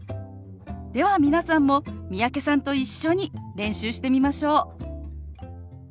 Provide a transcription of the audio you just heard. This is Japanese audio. では皆さんも三宅さんと一緒に練習してみましょう！